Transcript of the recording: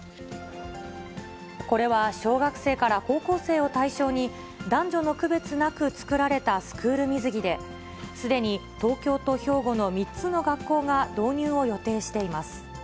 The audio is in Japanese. これは小学生から高校生を対象に、男女の区別なく作られたスクール水着で、すでに東京と兵庫の３つの学校が導入を予定しています。